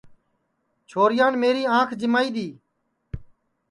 چھورِیان میری آنٚکھ جِمائی دؔی